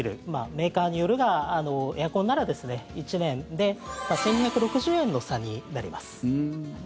メーカーによるがエアコンなら１年で１２６０円の差になります。